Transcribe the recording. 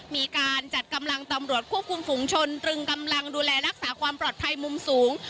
มีการจัดกำลังตำรวจควบคุมฝุงชนตรึงกำลังดูแลรักษาความปลอดภัยมุมสูง